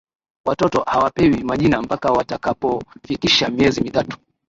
watoto hawapewi majina mpaka watakapofikisha miezi mitatu